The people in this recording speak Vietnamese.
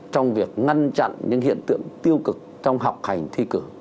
trong việc ngăn chặn những hiện tượng tiêu cực trong học hành thi cử